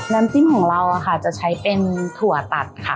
น้ำจิ้มของเราจะใช้เป็นถั่วตัดค่ะ